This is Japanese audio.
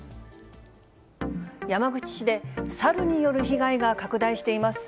山口市で、サルによる被害が拡大しています。